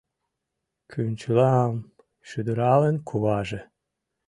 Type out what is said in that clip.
Кӱнчылам шӱдыралын куваже.